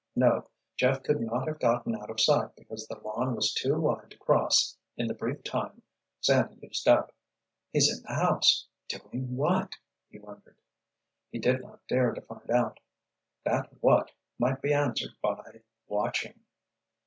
No, Jeff could not have gotten out of sight because the lawn was too wide to cross in the brief time Sandy used up. "He's in the house—doing what?" he wondered. He did not dare to find out. That "what" might be answered by "watching!"